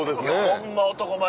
ホンマ男前！